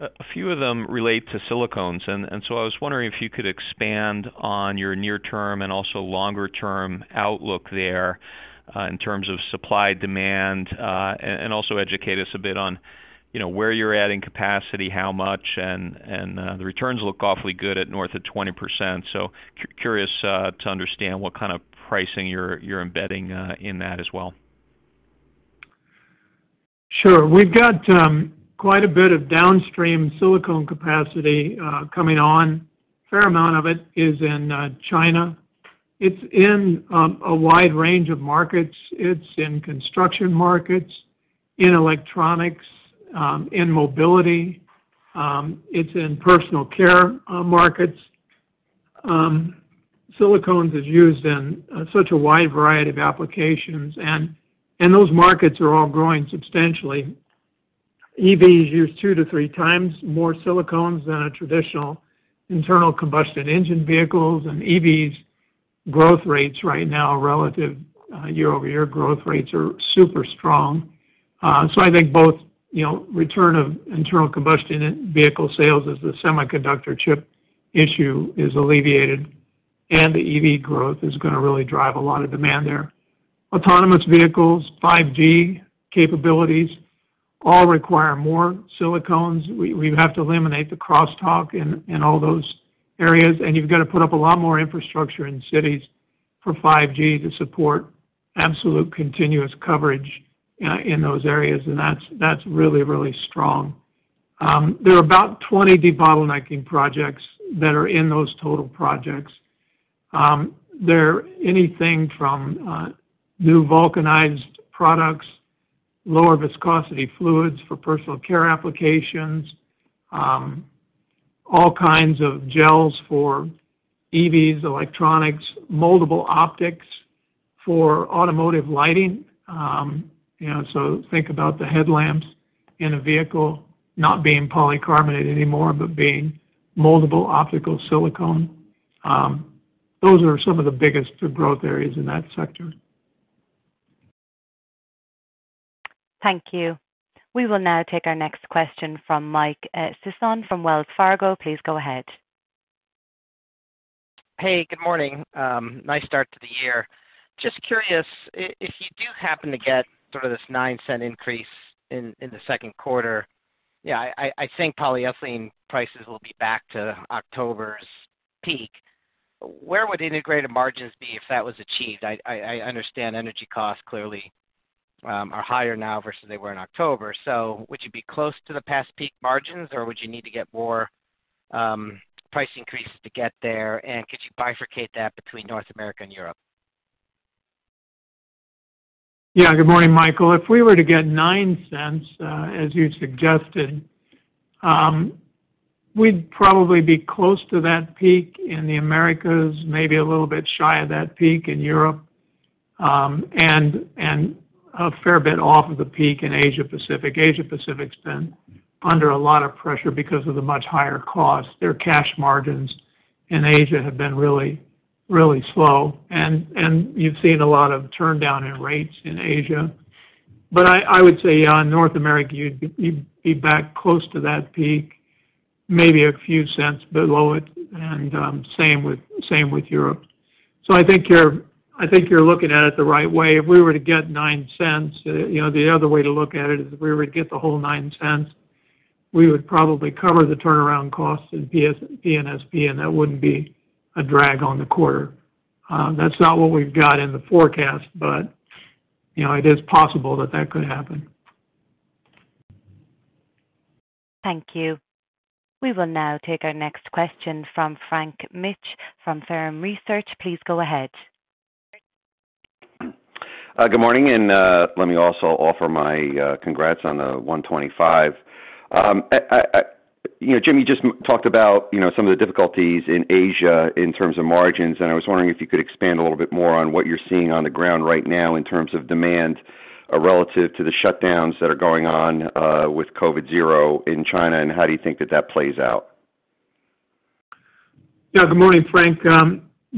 a few of them relate to silicones. I was wondering if you could expand on your near term and also longer term outlook there, in terms of supply, demand, and also educate us a bit on, you know, where you're adding capacity, how much, and the returns look awfully good at north of 20%. Curious to understand what kind of pricing you're embedding in that as well. Sure. We've got quite a bit of downstream silicone capacity coming on. Fair amount of it is in China. It's in a wide range of markets. It's in construction markets, in electronics, in mobility. It's in personal care markets. Silicones is used in such a wide variety of applications, and those markets are all growing substantially. EVs use two to three times more silicones than a traditional internal combustion engine vehicles, and EVs growth rates right now, relative year-over-year growth rates are super strong. I think both, you know, return of internal combustion vehicle sales as the semiconductor chip issue is alleviated and the EV growth is going to really drive a lot of demand there. Autonomous vehicles, 5G capabilities all require more silicones. We have to eliminate the crosstalk in all those areas, and you've got to put up a lot more infrastructure in cities for 5G to support absolute continuous coverage in those areas, and that's really strong. There are about 20 debottlenecking projects that are in those total projects. They're anything from new vulcanized products, lower viscosity fluids for personal care applications, all kinds of gels for EVs, electronics, moldable optics for automotive lighting. You know, think about the headlamps in a vehicle not being polycarbonate anymore, but being moldable optical silicone. Those are some of the biggest growth areas in that sector. Thank you. We will now take our next question from Mike Sisson from Wells Fargo. Please go ahead. Hey, good morning. Nice start to the year. Just curious, if you do happen to get sort of this $0.09 increase in the Q2, I think polyethylene prices will be back to October's peak. Where would integrate margins be if that was achieved? I understand energy costs clearly are higher now versus they were in October. Would you be close to the past peak margins, or would you need to get more price increases to get there? Could you bifurcate that between North America and Europe? Yeah. Good morning, Michael. If we were to get $0.09, as you suggested, we'd probably be close to that peak in the Americas, maybe a little bit shy of that peak in Europe, and a fair bit off of the peak in Asia-Pacific. Asia-Pacific's been under a lot of pressure because of the much higher cost. Their cash margins in Asia have been really slow, and you've seen a lot of turndown in rates in Asia. But I would say, North America, you'd be back close to that peak, maybe a few cents below it, and same with Europe. I think you're looking at it the right way. If we were to get $0.09, the other way to look at it is if we were to get the whole $0.09, we would probably cover the turnaround costs at P&SP, and that wouldn't be a drag on the quarter. That's not what we've got in the forecast, but it is possible that could happen. Thank you. We will now take our next question from Frank Mitsch from Fermium Research. Please go ahead. Good morning, and let me also offer my congrats on the 125. You know, Jim, you just talked about, you know, some of the difficulties in Asia in terms of margins, and I was wondering if you could expand a little bit more on what you're seeing on the ground right now in terms of demand, relative to the shutdowns that are going on, with COVID zero in China, and how do you think that plays out? Yeah. Good morning, Frank.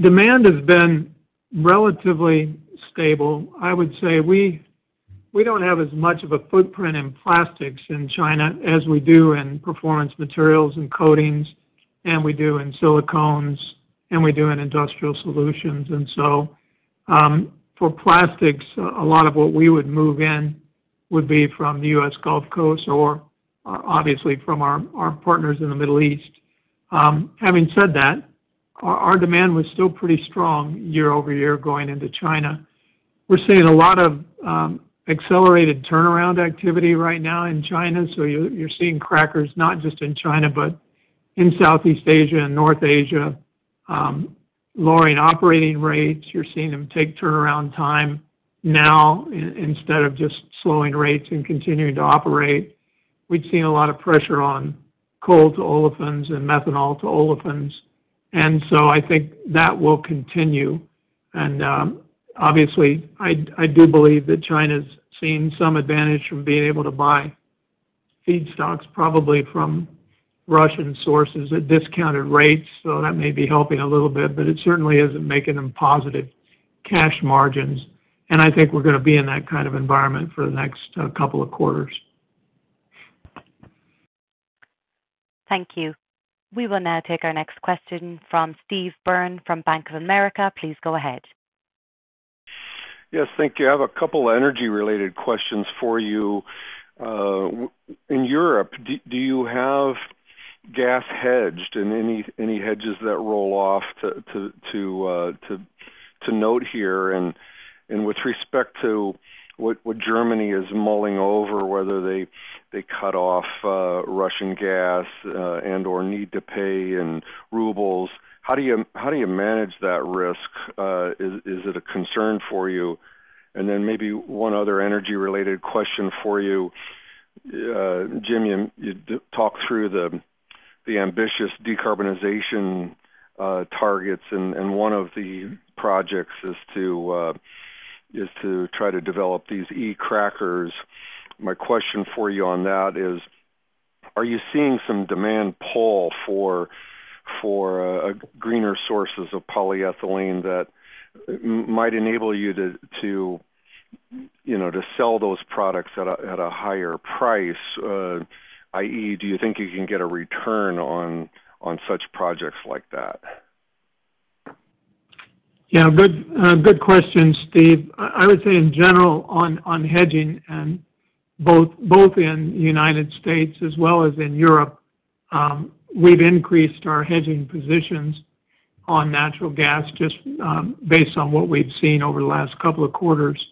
Demand has been relatively stable. I would say we don't have as much of a footprint in plastics in China as we do in Performance Materials & Coatings, and we do in silicones, and we do in industrial solutions. For plastics, a lot of what we would move in would be from the U.S. Gulf Coast or obviously from our partners in the Middle East. Having said that, our demand was still pretty strong year over year going into China. We're seeing a lot of accelerated turnaround activity right now in China. You're seeing crackers not just in China, but in Southeast Asia and North Asia, lowering operating rates. You're seeing them take turnaround time now instead of just slowing rates and continuing to operate. We've seen a lot of pressure on coal-to-olefins and methanol-to-olefins. I think that will continue. Obviously, I do believe that China has seen some advantage from being able to buy feedstocks, probably from Russian sources at discounted rates. That may be helping a little bit, but it certainly isn't making them positive cash margins. I think we're going to be in that kind of environment for the next couple of quarters. Thank you. We will now take our next question from Steve Byrne from Bank of America. Please go ahead. Yes. Thank you. I have a couple energy-related questions for you. In Europe, do you have gas hedged and any hedges that roll off to note here? With respect to what Germany is mulling over, whether they cut off Russian gas and/or need to pay in rubles, how do you manage that risk? Is it a concern for you? Maybe one other energy-related question for you. Jim, you talked through the ambitious decarbonization targets, and one of the projects is to try to develop these e-crackers. My question for you on that is, are you seeing some demand pull for greener sources of polyethylene that might enable you to you know to sell those products at a higher price? i.e., do you think you can get a return on such projects like that? Yeah. Good question, Steve. I would say in general on hedging and both in United States as well as in Europe, we've increased our hedging positions on natural gas just based on what we've seen over the last couple of quarters.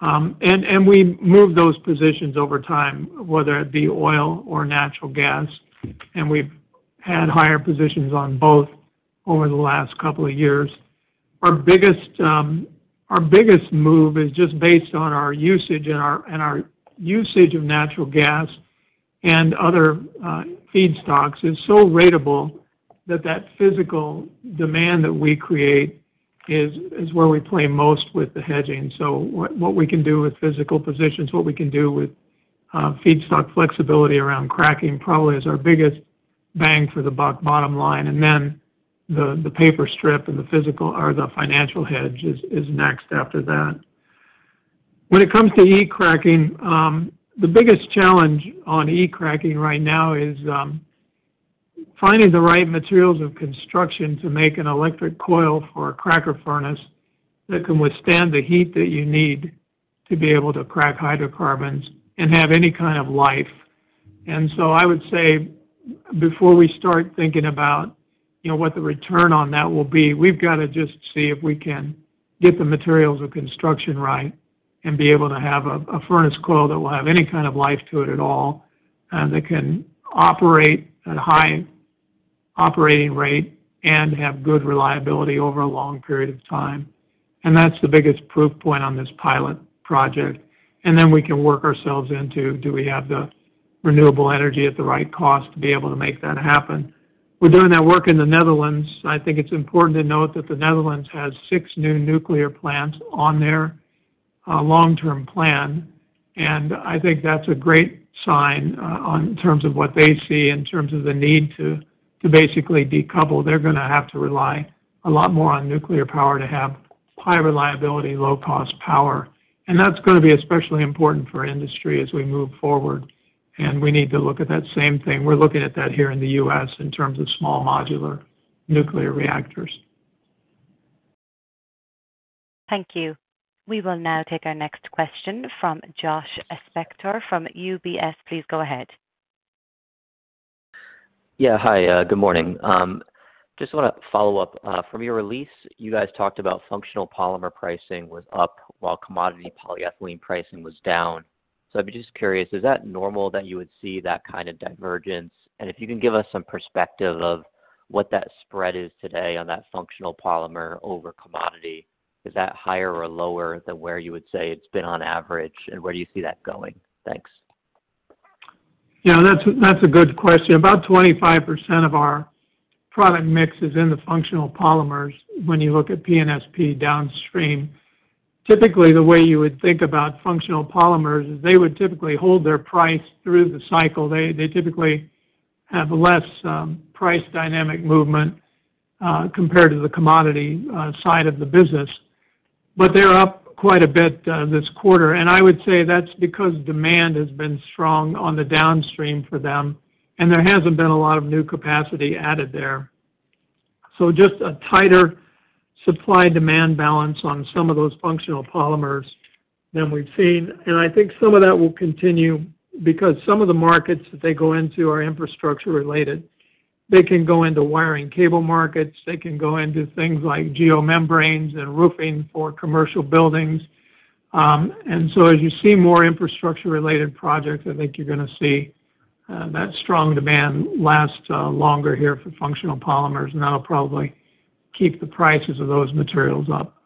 We move those positions over time, whether it be oil or natural gas, and we've had higher positions on both over the last couple of years. Our biggest move is just based on our usage and our usage of natural gas and other feedstocks. It's so ratable that physical demand that we create is where we play most with the hedging. What we can do with physical positions, what we can do with feedstock flexibility around cracking probably is our biggest bang for the buck bottom line. The paper strip and the physical or the financial hedge is next after that. When it comes to e-cracking, the biggest challenge on e-cracking right now is finding the right materials of construction to make an electric coil for a cracker furnace that can withstand the heat that you need to be able to crack hydrocarbons and have any kind of life. I would say, before we start thinking about, you know, what the return on that will be, we've got to just see if we can get the materials of construction right and be able to have a furnace coil that will have any kind of life to it at all, and that can operate at a high operating rate and have good reliability over a long period of time. That's the biggest proof point on this pilot project. We can work ourselves into, do we have the renewable energy at the right cost to be able to make that happen? We're doing that work in the Netherlands. I think it's important to note that the Netherlands has six new nuclear plants on their long-term plan, and I think that's a great sign in terms of what they see in terms of the need to basically decouple. They're going to have to rely a lot more on nuclear power to have high reliability, low-cost power. That's going to be especially important for industry as we move forward, and we need to look at that same thing. We're looking at that here in the U.S. in terms of small modular nuclear reactors. Thank you. We will now take our next question from Joshua Spector from UBS. Please go ahead. Yeah. Hi. Good morning. Just want to follow up. From your release, you guys talked about functional polymer pricing was up while commodity polyethylene pricing was down. I'd be just curious, is that normal that you would see that kind of divergence? If you can give us some perspective of what that spread is today on that functional polymer over commodity, is that higher or lower than where you would say it's been on average, and where do you see that going? Thanks. Yeah, that's a good question. About 25% of our product mix is in the functional polymers when you look at P&SP downstream. Typically, the way you would think about functional polymers is they would typically hold their price through the cycle. They typically have less price dynamic movement compared to the commodity side of the business. They're up quite a bit this quarter. I would say that's because demand has been strong on the downstream for them, and there hasn't been a lot of new capacity added there. Just a tighter supply-demand balance on some of those functional polymers than we've seen. I think some of that will continue because some of the markets that they go into are infrastructure related. They can go into wire and cable markets; they can go into things like geomembranes and roofing for commercial buildings. As you see more infrastructure-related projects, I think you're going to see that strong demand last longer here for functional polymers, and that'll probably keep the prices of those materials up.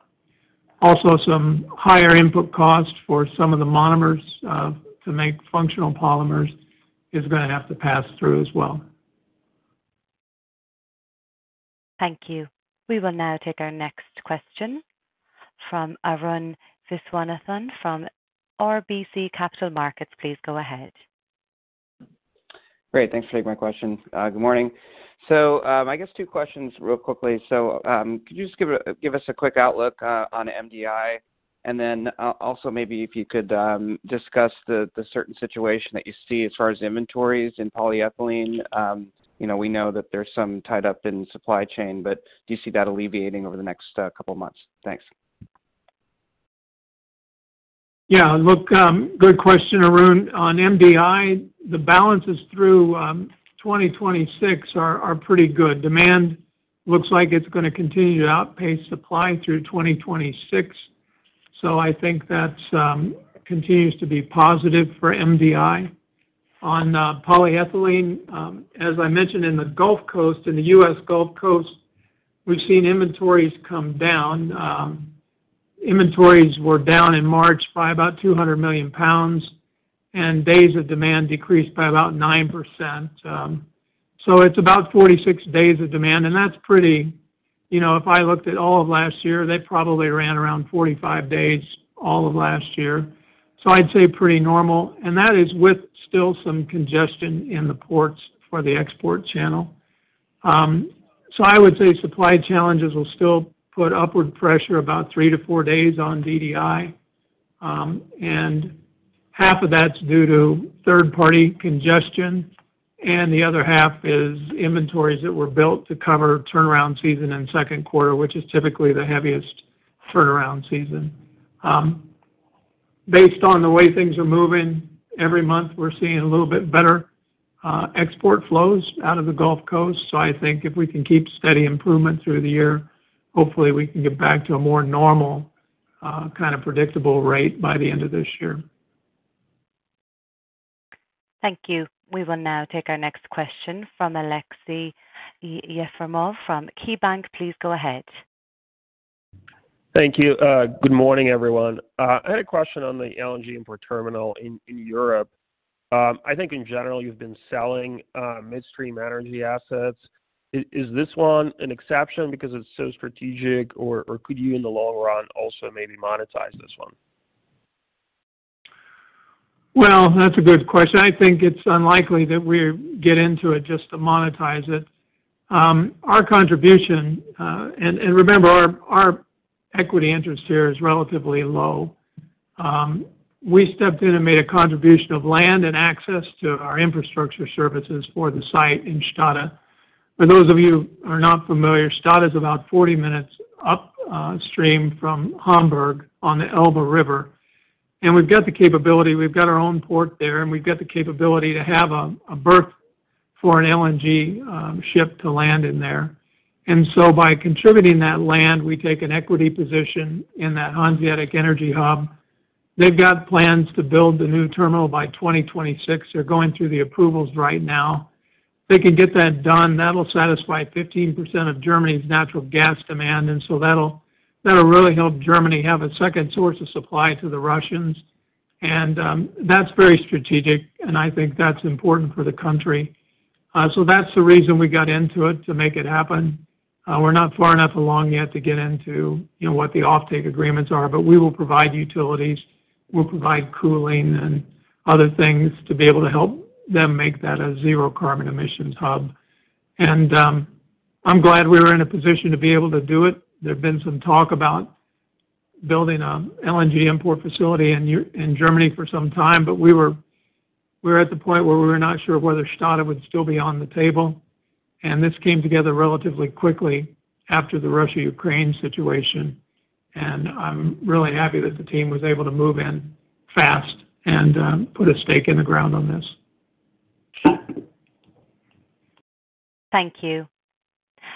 Also, some higher input costs for some of the monomers to make functional polymers is going to have to pass through as well. Thank you. We will now take our next question from Arun Viswanathan from RBC Capital Markets. Please go ahead. Great. Thanks for taking my question. Good morning. I guess two questions real quickly. Could you just give us a quick outlook on MDI, and then also maybe if you could discuss the current situation that you see as far as inventories in polyethylene. You know, we know that there's some tied up in supply chain, but do you see that alleviating over the next couple of months? Thanks. Yeah. Look, good question, Arun. On MDI, the balances through 2026 are pretty good. Demand looks like it's going to continue to outpace supply through 2026, so I think that continues to be positive for MDI. On polyethylene, as I mentioned in the Gulf Coast, in the U.S. Gulf Coast, we've seen inventories come down. Inventories were down in March by about 200 million pounds, and days of demand decreased by about 9%. So it's about 46 days of demand, and that's pretty. You know, if I looked at all of last year, they probably ran around 45 days all of last year. I'd say pretty normal, and that is with still some congestion in the ports for the export channel. I would say supply challenges will still put upward pressure about three to four days on DDI. Half of that's due to third-party congestion, and the other half is inventories that were built to cover turnaround season in Q2, which is typically the heaviest turnaround season. Based on the way things are moving, every month, we're seeing a little bit better export flows out of the Gulf Coast. I think if we can keep steady improvement through the year, hopefully we can get back to a more normal kind of predictable rate by the end of this year. Thank you. We will now take our next question from Aleksey Yefremov from KeyBanc. Please go ahead. Thank you. Good morning, everyone. I had a question on the LNG import terminal in Europe. I think in general, you've been selling midstream energy assets. Is this one an exception because it's so strategic, or could you in the long run also maybe monetize this one? Well, that's a good question. I think it's unlikely that we get into it just to monetize it. Our contribution, and remember, our equity interest here is relatively low. We stepped in and made a contribution of land and access to our infrastructure services for the site in Stade. For those of you who are not familiar, Stade is about 40 minutes upstream from Hamburg on the Elbe River. We've got the capability, we've got our own port there, and we've got the capability to have a berth for an LNG ship to land in there. By contributing that land, we take an equity position in that Hanseatic Energy Hub. They've got plans to build the new terminal by 2026. They're going through the approvals right now. If they can get that done, that'll satisfy 15% of Germany's natural gas demand, that'll really help Germany have a second source of supply to the Russians. That's very strategic, and I think that's important for the country. That's the reason we got into it, to make it happen. We're not far enough along yet to get into, you know, what the offtake agreements are, but we will provide utilities, we'll provide cooling and other things to be able to help them make that a zero carbon emissions hub. I'm glad we were in a position to be able to do it. There have been some talk about building a LNG import facility in Germany for some time, but we were at the point where we were not sure whether Stade would still be on the table, and this came together relatively quickly after the Russia-Ukraine situation. I'm really happy that the team was able to move in fast and put a stake in the ground on this. Thank you.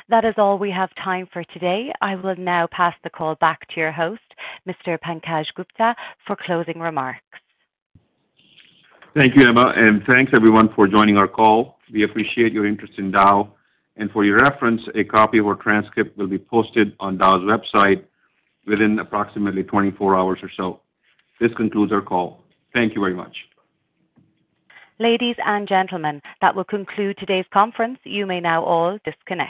That is all we have time for today. I will now pass the call back to your host, Mr. Pankaj Gupta, for closing remarks. Thank you, Emma, and thanks everyone for joining our call. We appreciate your interest in Dow. For your reference, a copy of our transcript will be posted on Dow's website within approximately 24 hours or so. This concludes our call. Thank you very much. Ladies and gentlemen, that will conclude today's conference. You may now all disconnect.